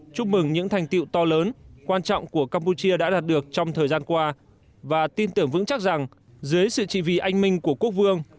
chúc mừng những thành tiệu to lớn quan trọng của campuchia đã đạt được trong thời gian qua và tin tưởng vững chắc rằng dưới sự trị vì anh minh của quốc vương